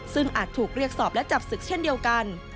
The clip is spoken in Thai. ซึ่งอาจถูกเรียกสอบและจับศึกเช่นเดียวกัน